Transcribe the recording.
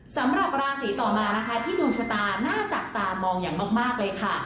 สำหรับราศีต่อมานะคะที่ดวงชะตาน่าจับตามองอย่างมากเลยค่ะ